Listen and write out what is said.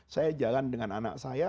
saya jalan dengan anak saya